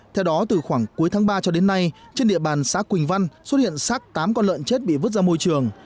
theo đó từ khoảng cuối tháng ba cho đến nay trên địa bàn xã quỳnh văn xuất hiện xác tám con lợn chết bị vứt ra môi trường